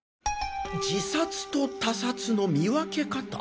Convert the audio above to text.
自殺と他殺の見分け方？